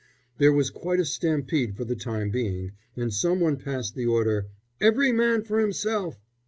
There was quite a stampede for the time being, and some one passed the order, "Every man for himself!"